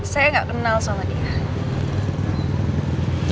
saya nggak kenal sama dia